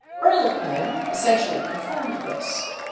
87 Ehrlichman essentially confirmed this.